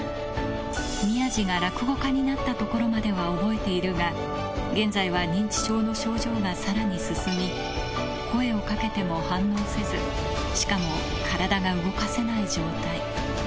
宮治が落語家になったところまでは覚えているが、現在は認知症の症状がさらに進み、声をかけても反応せず、しかも体が動かせない状態。